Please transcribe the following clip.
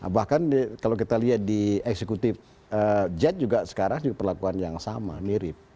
bahkan kalau kita lihat di eksekutif jet juga sekarang perlakuan yang sama mirip